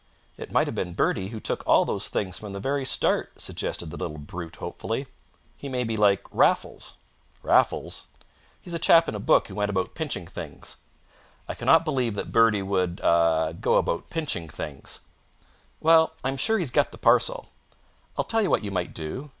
"It might have been Bertie who took all those things from the very start," suggested the little brute hopefully. "He may be like Raffles." "Raffles?" "He's a chap in a book who went about pinching things." "I cannot believe that Bertie would ah go about pinching things." "Well, I'm sure he's got the parcel. I'll tell you what you might do.